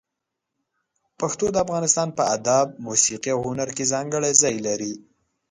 پښتو د افغانستان په ادب، موسيقي او هنر کې ځانګړی ځای لري.